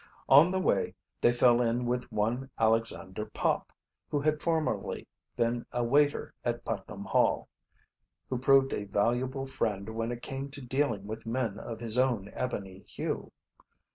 On the way they fell in with one Alexander Pop, who had formerly been a waiter at Putnam Hall, who proved a valuable friend when it came to dealing with men of his own ebony hue.